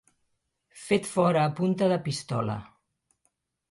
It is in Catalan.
Fet fora a punta de pistola.